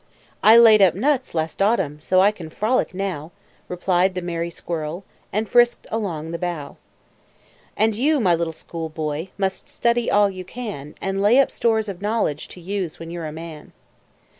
"I laid up nuts, last autumn, So I can frolic now," Replied the merry squirrel, And frisked along the bough. "And you, my little school boy, Must study all you can, And lay up stores of knowledge, To use when you're a man."